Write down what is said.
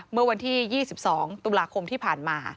เมื่อวันที่๒๒ตุลาคมที่ผ่านมา